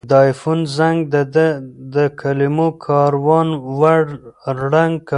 د آیفون زنګ د ده د کلمو کاروان ور ړنګ کړ.